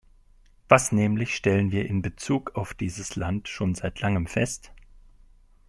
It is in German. Was nämlich stellen wir in Bezug auf dieses Land schon seit langem fest?